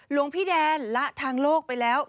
หลวงพี่แดนละทางโลกไปแล้ว